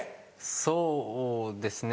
そうですね